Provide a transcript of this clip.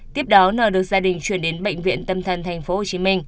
tiếp đó n được gia đình chuyển đến bệnh viện tâm thân tp hcm